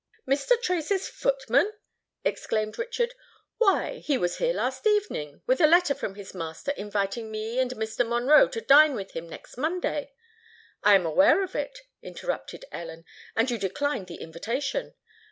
"Mr. Tracy's footman!" exclaimed Richard. "Why—he was here last evening, with a letter from his master inviting me and Mr. Monroe to dine with him next Monday——" "I am aware of it," interrupted Ellen. "And you declined the invitation."